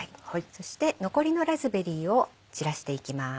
そして残りのラズベリーを散らしていきます。